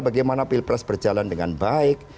bagaimana pilpres berjalan dengan baik